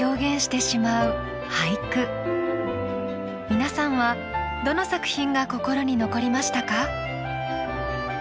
皆さんはどの作品が心に残りましたか？